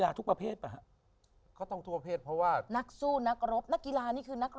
ดาวที่เกี่ยวของการต่อสู้ตรงเค็มแข็ง